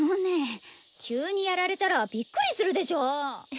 急にやられたらびっくりするでしょ！